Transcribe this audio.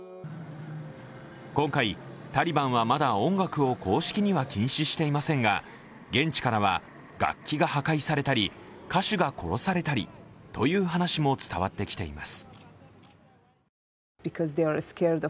今回、タリバンはまだ音楽を公式には禁止していませんが現地からは楽器が破壊されたり歌手が殺されたりという話も伝わってきています。